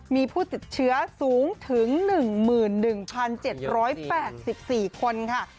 มีผู้ติดเชื้อสูงถึง๑๑๗๘๔คนค่ะ